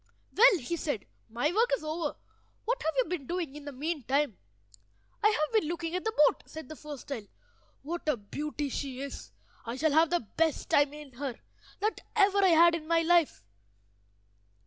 "Well," he said, "my work is over. What have you been doing in the meantime?" "I have been looking at the boat," said the first child. "What a beauty she is! I shall have the best time in her that ever I had in my life."